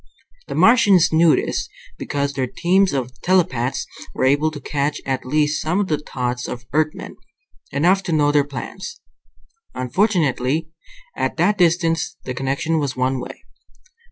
The Martians knew this, because their teams of telepaths were able to catch at least some of the thoughts of Earthmen, enough to know their plans. Unfortunately, at that distance, the connection was one way.